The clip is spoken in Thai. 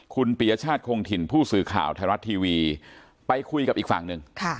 คุณปียชาติคงถิ่นผู้สื่อข่าวไทยรัฐทีวีไปคุยกับอีกฝั่งหนึ่ง